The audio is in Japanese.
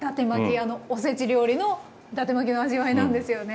あのおせち料理のだて巻きの味わいなんですよね。